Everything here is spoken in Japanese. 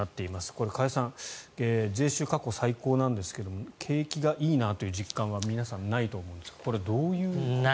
これ、加谷さん税収、過去最高なんですが景気がいいなという実感は皆さんないと思うんですがこれはどういうことですか。